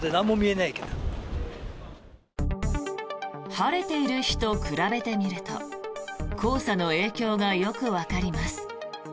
晴れている日と比べてみると黄砂の影響がよくわかります。